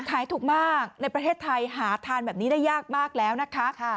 ขายถูกมากในประเทศไทยหาทานแบบนี้ได้ยากมากแล้วนะคะ